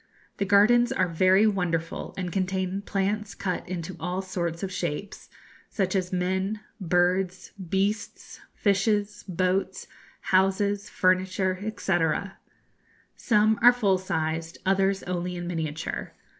The gardens are very wonderful, and contain plants cut into all sorts of shapes, such as men, birds, beasts, fishes, boats, houses, furniture, &c. Some are full sized, others only in miniature.